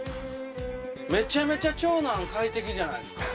めちゃめちゃ長男快適じゃないですか。